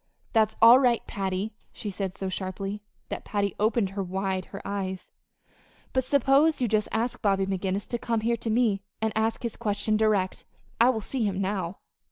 "That's all right, Patty," she said so sharply that Patty opened wide her eyes; "but suppose you just ask Bobby McGinnis to come here to me and ask his question direct. I will see him now."